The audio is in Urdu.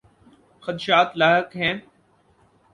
خدشات لاحق ہیں۔